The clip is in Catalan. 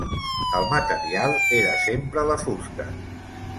El material era sempre la fusta.